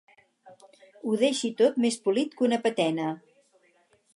Ho deixi tot més polit que una patena.